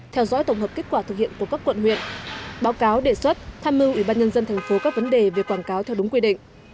theo dõi tổng hợp kết quả thực hiện của các quận huyện báo cáo đề xuất tham mưu ủy ban nhân dân thành phố các vấn đề về quảng cáo theo đúng quy định